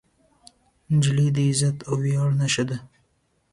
نجلۍ د عزت او ویاړ نښه ده.